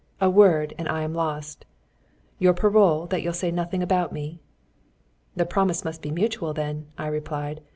A word, and I am lost. Your parole that you'll say nothing about me?" "The promise must be mutual, then," I replied.